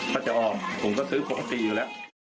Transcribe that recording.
เขาจะออกผมก็ซื้อปกติอยู่แล้ว